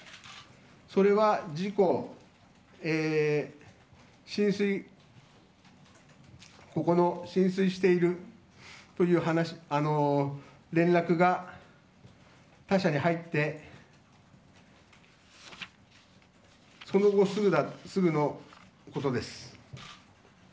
それは浸水しているという連絡が他社に入ってその後すぐのことです。